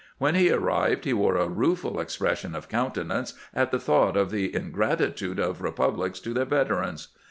When he arrived he wore a rueful expression of countenance at the thought of the ingrat itude of republics to their " veterans."